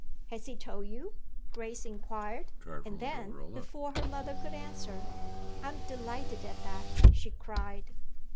"Has he told you?" Grace inquired. And then, before her mother could answer, "I'm delighted at that!" she cried.